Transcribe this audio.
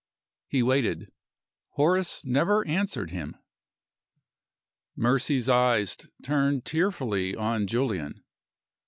He waited. Horace never answered him. Mercy's eyes turned tearfully on Julian.